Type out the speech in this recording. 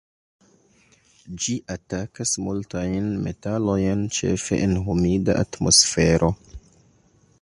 Ĝi atakas multajn metalojn ĉefe en humida atmosfero.